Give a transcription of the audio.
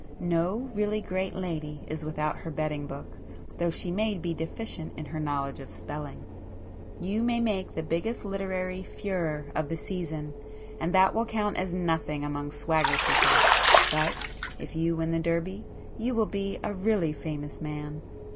No really great lady is without her betting book, though she may be deficient in her knowledge of spelling. You may make the biggest literary furore of the season, and that will count as nothing among 'swagger' people, but if you win the Derby you will be a really famous man.